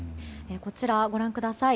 こちらをご覧ください。